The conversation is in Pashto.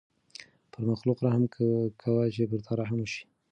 پر مخلوق رحم کوه چې پر تا رحم وشي.